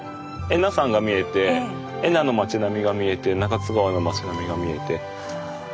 恵那山が見えて恵那の町並みが見えて中津川の町並みが見えて。